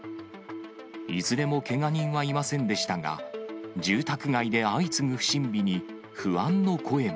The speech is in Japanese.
いずれもけが人はいませんでしたが、住宅街で相次ぐ不審火に、不安の声も。